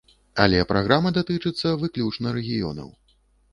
Але праграма датычыцца выключна рэгіёнаў.